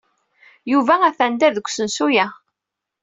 Yuba atan da, deg usensu-a.